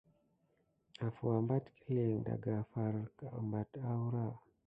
Afu abatik yelinke daka far ki apat aoura.